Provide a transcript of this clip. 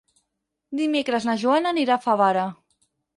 Dimecres na Joana anirà a Favara.